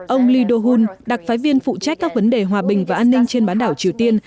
ông lee do hun đặc phái viên phụ trách các vấn đề hòa bình và an ninh trên bán đảo triều tiên